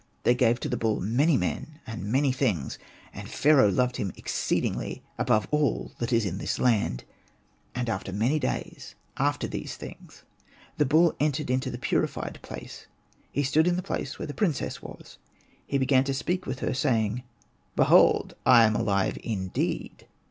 They gave to the bull many men and many things, and Pharaoh loved him exceedingly above all that is in this land. And after many days after these things, the bull entered the purified place ; he stood in the place where the princess was ; he began to speak with her, saying, ''Behold, I am ahve indeed."